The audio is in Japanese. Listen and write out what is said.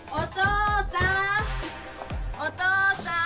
お父さん。